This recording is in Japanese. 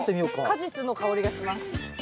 果実の香りがします。